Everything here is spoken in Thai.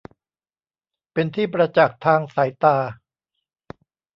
เป็นที่ประจักษ์ทางสายตา